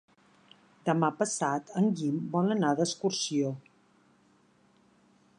Demà passat en Guim vol anar d'excursió.